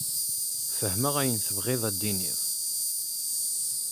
Fehmeɣ ayen ay tebɣiḍ ad d-tiniḍ.